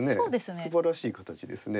すばらしい形ですね。